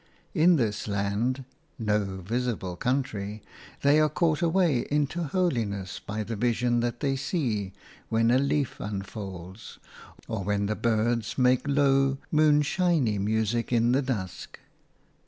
In this land (no visible country) they are caught away into holiness by the vision that they see when a leaf unfolds, or when the birds make low, moonshiny music in the dusk.